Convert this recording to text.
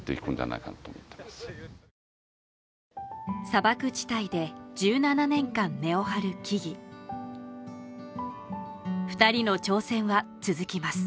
砂漠地帯で１７年間根を張る木々二人の挑戦は続きます